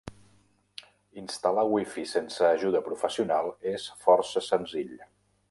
Instal·lar wifi sense ajuda professional és força senzill.